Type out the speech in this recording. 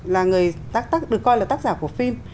là người được coi là tác giả của phim